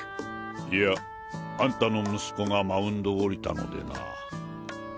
いやあんたの息子がマウンドを降りたのでな。